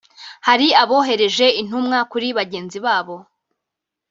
hari abohereje intumwa kuri bagenzi babo